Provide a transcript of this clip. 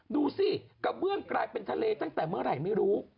ดูสิกระเบื้องกลายเป็นทะเลตั้งแต่เมื่อไหร่ไม่รู้